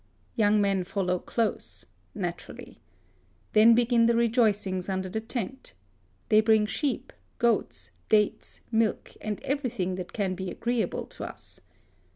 Young men follow close — naturally. Then begin the rejoicings under the tent. They bring sheep, goats, dates, milk, and every thing that can be agreeable to us.